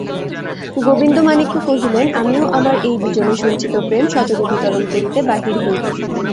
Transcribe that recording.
গোবিন্দমাণিক্য কহিলেন, আমিও আমার এই বিজনে সঞ্চিত প্রেম সজনে বিতরণ করিতে বাহির হইব।